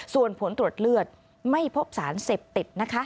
ส่วนผลตรวจเลือดไม่พบสารเสพติดนะคะ